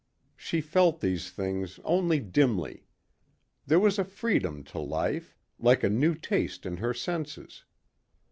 She felt these things only dimly. There was a freedom to life, like a new taste in her senses.